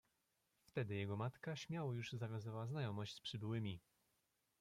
Wtedy jego matka śmiało już zawiązała znajomość z przybyłymi.